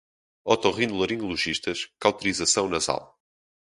otorrinolaringologistas, cauterização nasal